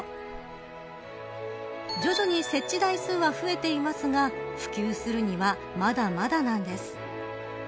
徐々に設置台数は増えていますが普及するにはまだまだなんです。